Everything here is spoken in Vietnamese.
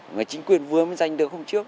người chính quyền vừa mới giành được hôm trước